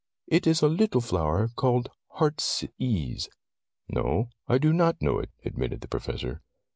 "It is a little flower called heartsease." "No, I do not know it," admitted the Professor.